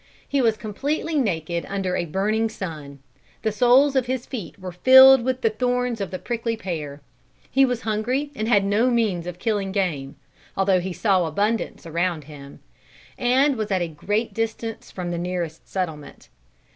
He was completely naked under a burning sun. The soles of his feet were filled with the thorns of the prickly pear. He was hungry and had no means of killing game, although he saw abundance around him; and was at a great distance from the nearest settlement.